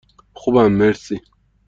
خوبم، مرسی.